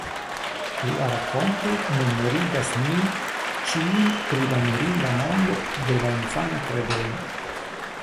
La rakontoj memorigas nin ĉiujn pri la mirinda mondo de la infana kredemo.